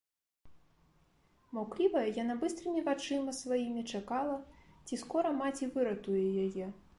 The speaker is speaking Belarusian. Маўклівая, яна быстрымі вачыма сваімі чакала, ці скора маці выратуе яе.